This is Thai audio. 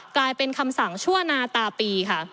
กลายเป็นคำสั่งชั่วนาตาปีค่ะ